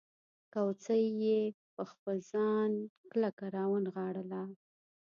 کوسۍ یې پر خپل ځان کلکه راونغاړله.